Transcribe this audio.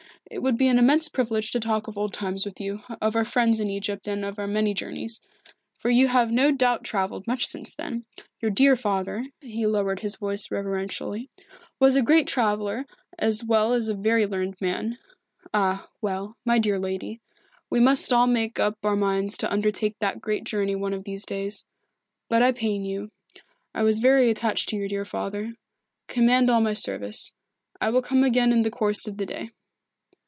It would be an immense privilege to talk of old times with you, of our friends in Egypt and of our many journeys. For you have no doubt travelled much since then. Your dear father," he lowered his voice reverentially, "was a great traveller, as well as a very learned man. Ah, well, my dear lady we must all make up our minds to undertake that great journey one of these days. But I pain you. I was very much attached to your dear father. Command all my service. I will come again in the course of the day."